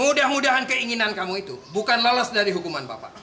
mudah mudahan keinginan kamu itu bukan lolos dari hukuman bapak